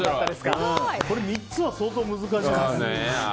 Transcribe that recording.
これ３つは相当難しいね。